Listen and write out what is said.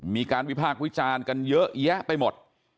มีการวิพากษ์วิจารณ์กันเยอะแยะไปหมด